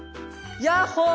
ヤッホー！